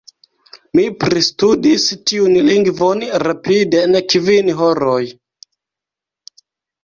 Mi pristudis tiun lingvon rapide en kvin horoj!